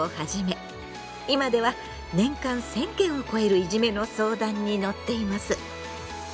今では年間１，０００件を超えるいじめの相談に乗っています。